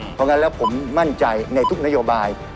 เพราะงั้นแล้วผมมั่นใจในทุกนโยบาย